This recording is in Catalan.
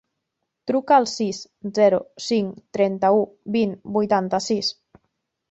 Truca al sis, zero, cinc, trenta-u, vint, vuitanta-sis.